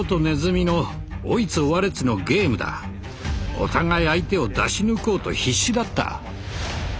お互い相手を出し抜こうと必死だった。